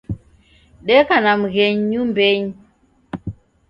Deka na mghenyu nyumbenyi.